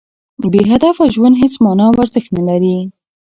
بې هدفه ژوند هېڅ مانا او ارزښت نه لري.